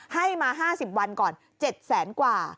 ให้มา๕๐วันก่อน๗แสนกว่า